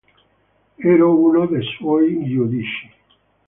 Ero uno dei suoi giudici.